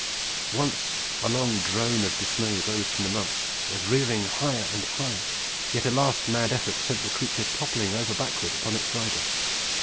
Once a long drone of dismay rose from the monks, as rearing higher and higher yet a last mad effort sent the creature toppling over backward upon its rider.